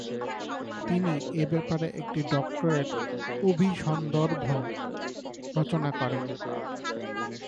তিনি এ ব্যাপারে একটি ডক্টরেট অভিসন্দর্ভ রচনা করেন।